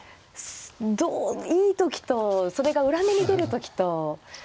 どうもいい時とそれが裏目に出る時と。